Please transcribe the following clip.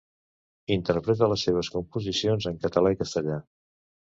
Interpreta les seves composicions en català i castellà.